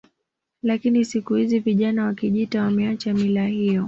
Lakini siku hizi vijana wa Kijita wameacha mila hiyo